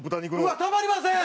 うわったまりません！